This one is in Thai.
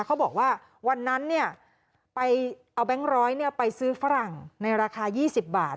เขาบอกว่าวันนั้นไปเอาแบงค์ร้อยไปซื้อฝรั่งในราคา๒๐บาท